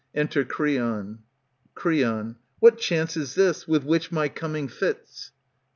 Enter Creon. Creon. What chance is this, with which my coming fits